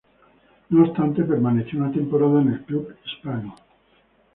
No obstante, permaneció una temporada en el club "hispano".